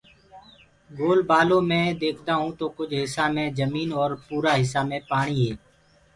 گول بآلو مي ديکدآئونٚ تو ڪجھ هِسآ مي جميٚني اور پورآ هِسآ مي پآڻيٚ هي